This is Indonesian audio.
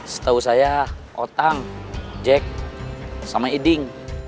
setahu saya otak jack sama eding